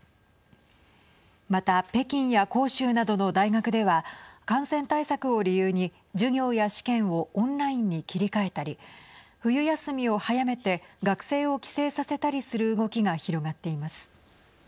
また、北京や広州などの大学では感染対策を理由に、授業や試験をオンラインに切り替えたり冬休みを早めて学生を帰省させたりする動きが広がっています。